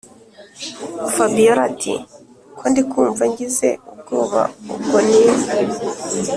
fabiora ati”ko ndikumva ngize ubwoba ubwo ni